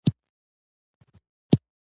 که د ورځپاڼو تګلاره یې خوښه نه شي بندوي یې.